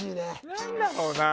何だろうな。